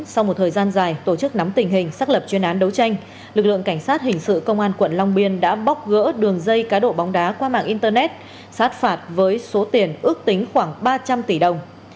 sau một thời gian dài tổ chức nắm tình hình xác lập chuyên án đấu tranh lực lượng cảnh sát hình sự công an quận long biên đã bóc gỡ đường dây cá độ bóng đá qua mạng internet sát phạt với số tiền ước tính khoảng ba trăm linh tỷ đồng